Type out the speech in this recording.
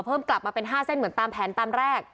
กลับมาเป็น๕เส้นเหมือนตามแผนตามแรก